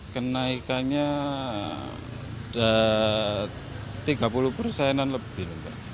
kenaikannya sudah tiga puluh persenan lebih